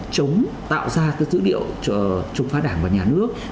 chống tạo ra các dữ liệu chống phá đảng và nhà nước